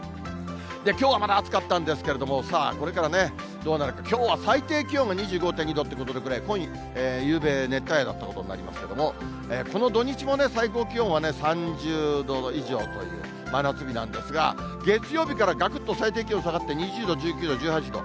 きょうはまだ暑かったんですけれども、さあ、これからどうなるか、きょうは最低気温が２５．２度ということで、これ、ゆうべ熱帯夜だったことになりますけれども、この土日も最高気温はね、３０度以上という真夏日なんですが、月曜日からがくっと最低気温下がって、２０度、１９度、１８度。